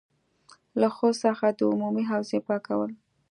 له ښځو څخه د عمومي حوزې پاکول.